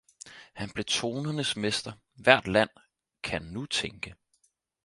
han blev tonernes mester, hvert land kan nu tænke.